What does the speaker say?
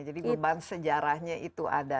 jadi beban sejarahnya itu ada